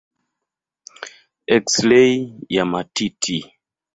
Eksirei ya matiti.